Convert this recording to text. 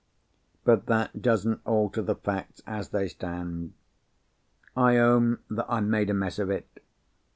But that doesn't alter the facts as they stand. I own that I made a mess of it.